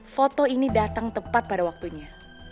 foto ini datang tepat pada waktunya